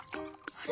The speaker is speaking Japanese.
あれ？